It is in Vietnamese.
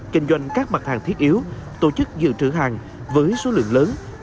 kinh doanh các mặt hàng thiết yếu tổ chức dự trữ hàng với số lượng lớn